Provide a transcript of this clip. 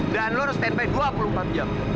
dan lu harus standby gue dua puluh empat jam